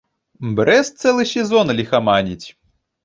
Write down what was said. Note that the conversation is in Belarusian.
Брэст цэлы сезон ліхаманіць.